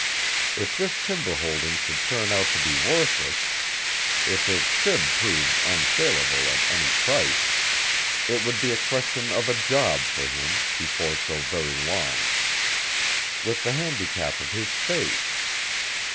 If this timber holding should turn out to be worthless, if it should prove unsalable at any price, it would be a question of a job for him, before so very long. With the handicap of his face!